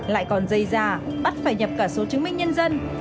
lại còn dây ra bắt phải nhập cả số chứng minh nhân dân